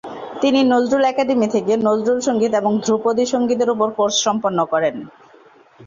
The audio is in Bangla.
তিনি নজরুল একাডেমি থেকে নজরুল সঙ্গীত এবং ধ্রুপদী সঙ্গীতের উপর কোর্স সম্পন্ন করেন।